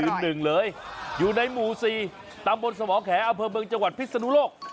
หนึ่งเลยอยู่ในหมู่๔ตำบลสมแขอำเภอเมืองจังหวัดพิศนุโลก